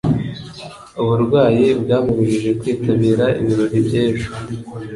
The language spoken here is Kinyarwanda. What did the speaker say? Uburwayi bwamubujije kwitabira ibirori by 'ejo.